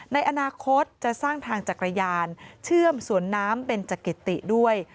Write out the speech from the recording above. ในอนาคตจะสร้างทางจักรยานเชื่อมสวนน้ำเบนจักริติด้วย